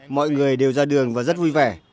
mọi người đều ra đường và rất vui vẻ